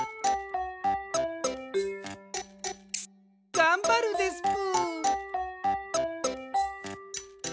がんばるですぷ！